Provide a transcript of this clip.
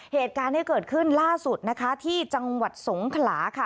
เหตุการณ์ที่เกิดขึ้นล่าสุดนะคะที่จังหวัดสงขลาค่ะ